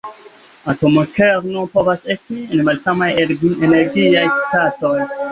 Atomkerno povas esti en malsamaj energiaj statoj.